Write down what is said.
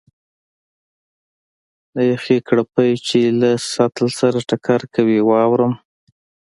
د یخې کړپی چې له سطل سره ټکر کوي، واورم.